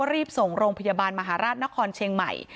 รีบส่งโรงพยาบาลมหาราชนครเชียงใหม่